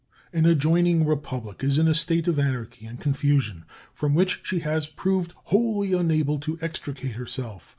An adjoining Republic is in a state of anarchy and confusion from which she has proved wholly unable to extricate herself.